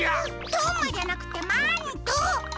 とんまじゃなくてマント！